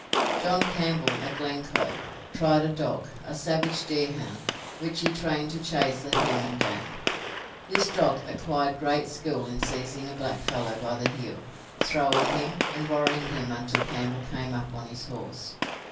John Campbell, at Glencoe, tried a dog, a savage deerhound, which he trained to chase the human game. This dog acquired great skill in seizing a blackfellow by the heel, throwing him, and worrying him until Campbell came up on his horse.